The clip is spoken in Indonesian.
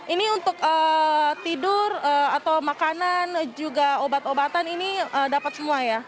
ini untuk tidur atau makanan juga obat obatan ini dapat semua ya